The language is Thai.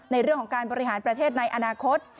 ในเรื่องของการบริหารประเทศในอนาคต